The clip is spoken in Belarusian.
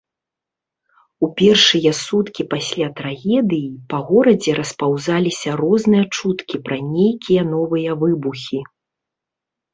У пешыя суткі пасля трагедыі па горадзе распаўзаліся розныя чуткі пра нейкія новыя выбухі.